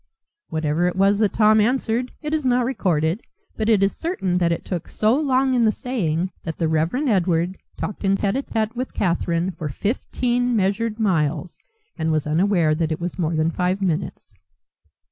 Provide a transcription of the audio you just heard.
Whatever it was that Tom answered it is not recorded, but it is certain that it took so long in the saying that the Reverend Edward talked in tete a tete with Catherine for fifteen measured miles, and was unaware that it was more than five minutes.